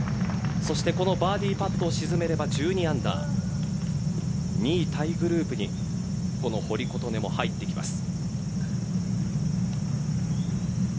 このバーディーパットを沈めれば１２アンダー２位タイグループにこの堀琴音も入ってきます。